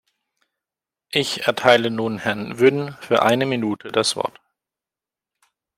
Ich erteile nun Herrn Wynn für eine Minute das Wort.